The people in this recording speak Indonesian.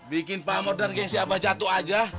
bikin pahamodan geng si aba jatuh aja